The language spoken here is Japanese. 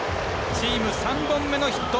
チーム３本目のヒット。